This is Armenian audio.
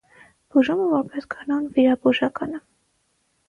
Բուժումը, որպես կանոն, վիրաբուժական է։